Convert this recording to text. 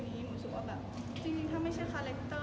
เพราะเวลาฮาริสเจ็บคนที่เขารักดิฉิเขาเศร้า